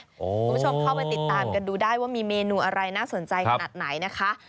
คุณผู้ชมเข้าไปติดตามกันดูได้ว่ามีเมนูอะไรน่าสนใจขนาดไหนนะคะ